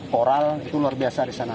koral itu luar biasa di sana